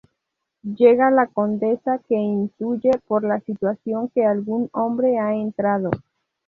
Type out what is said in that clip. Llega la condesa, que intuye por la situación que algún hombre ha entrado.